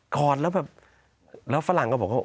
อดแล้วแบบแล้วฝรั่งก็บอกว่า